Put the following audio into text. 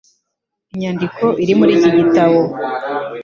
Imyandiko iri muri iki gitabo